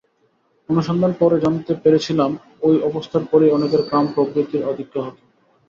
অনুসন্ধানে পরে জানতে পেরেছিলাম, ঐ অবস্থার পরই অনেকের কাম-প্রবৃত্তির আধিক্য হত।